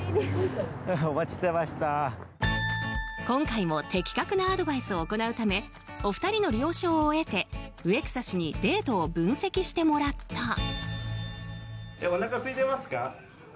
今回も的確なアドバイスを行うためお二人の了承を得て、植草氏にデートを分析してもらった。